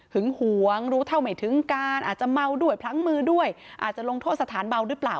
หวงรู้เท่าไม่ถึงการอาจจะเมาด้วยพลั้งมือด้วยอาจจะลงโทษสถานเบาหรือเปล่า